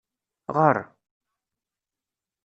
Ɣeṛ!